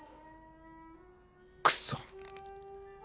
クソ！